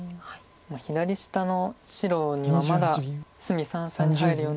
左下の白にはまだ隅三々に入るような狙いは。